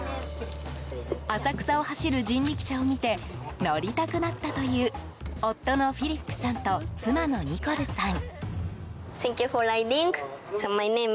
浅草を走る人力車を見て乗りたくなったという夫のフィリップさんと妻のニコルさん。